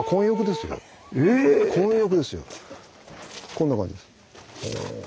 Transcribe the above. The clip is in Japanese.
え⁉こんな感じです。